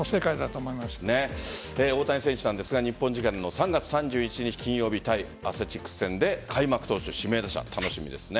大谷選手ですが日本時間の３月３１日金曜日アスレチックス戦で開幕投手、指名打者楽しみですね。